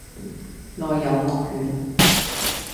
內有惡犬